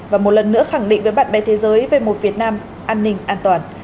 và một lần nữa khẳng định với bạn bè thế giới về một việt nam an ninh an toàn